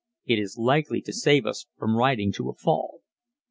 It is likely to save us from riding to a fall.